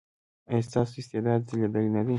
ایا ستاسو استعداد ځلیدلی نه دی؟